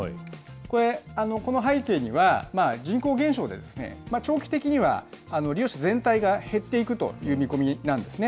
これ、この背景には、人口減少で長期的には利用者全体が減っていくという見込みなんですね。